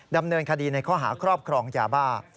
ดำเนินคดีในข้อหาครอบครองยาบ้า